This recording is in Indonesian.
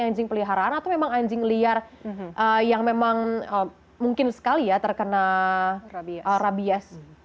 anjing peliharaan atau memang anjing liar yang memang mungkin sekali ya terkena rabies